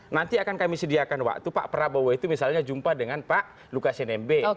nanti akan kami sediakan waktu pak prabowo itu misalnya jumpa dengan pak lukas nmb